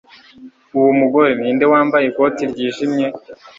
Uwo mugore ninde wambaye ikoti ryijimye